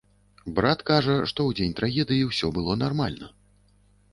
Брат кажа, што ў дзень трагедыі ўсё было нармальна.